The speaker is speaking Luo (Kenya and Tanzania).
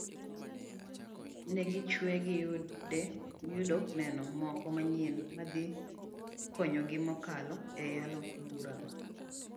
negichwe giyudo neno moko manyien madhi konyogi mokalo eyalo burano